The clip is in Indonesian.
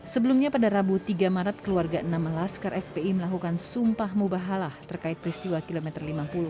sebelumnya pada rabu tiga maret keluarga enam laskar fpi melakukan sumpah mubahalah terkait peristiwa kilometer lima puluh